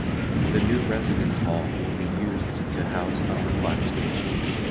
The new residence hall will be used to house upperclassmen.